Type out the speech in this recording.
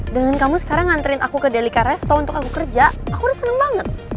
dengan kamu sekarang nganterin aku ke delika resto untuk aku kerja aku udah seneng banget